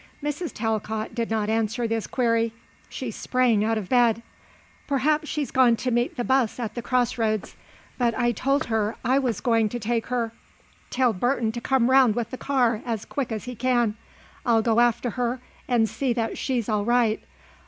Mrs. Talcott did not answer this query. She sprang out of bed. "Perhaps she's gone to meet the bus at the cross roads. But I told her I was going to take her. Tell Burton to come round with the car as quick as he can. I'll go after her and see that she's all right.